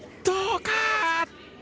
どうか？